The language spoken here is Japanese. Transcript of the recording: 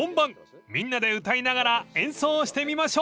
［みんなで歌いながら演奏してみましょう］